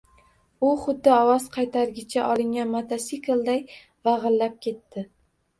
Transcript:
U xuddi ovoz qaytargichi olingan mototsiklday vagʼillab ketdi.